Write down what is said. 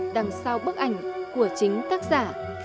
đằng sau bức ảnh của chính tác giả